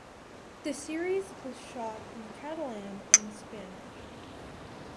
The series was shot in Catalan and Spanish.